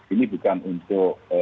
ini bukan untuk